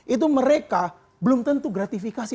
itu mereka belum tentu gratifikasi